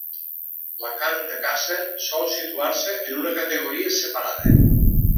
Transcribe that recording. La carn de caça sol situar-se en una categoria separada.